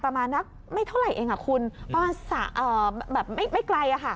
ประมาณนะไม่เท่าไหร่เองอ่ะคุณต่อสายเอ่อแบบไปไปไกลอ่ะค่ะ